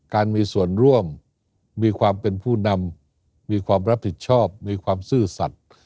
การมีส่วนร่วมมีความเป็นผู้นำมีความรับผิดชอบมีความซื่อสัตว์